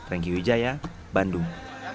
rengky wijaya bandung